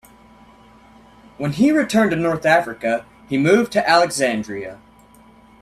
When he returned to North Africa, he moved to Alexandria.